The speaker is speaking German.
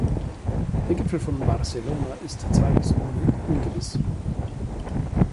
Der Gipfel von Barcelona ist zweifelsohne ungewiss.